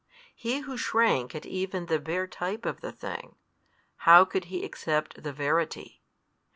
He who shrank at even the bare type of the thing, how could He accept the verity?